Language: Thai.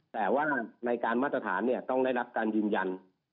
แต่ว่าในการมาตรฐานต้องได้รับการยืนยัน